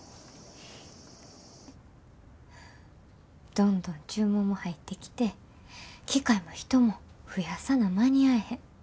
どんどん注文も入ってきて機械も人も増やさな間に合えへん。